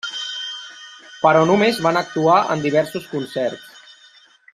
Però només van actuar en diversos concerts.